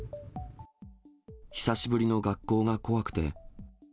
久しぶりの学校が怖くて。